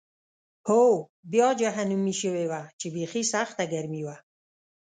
هوا بیا جهنمي شوې وه چې بېخي سخته ګرمي وه.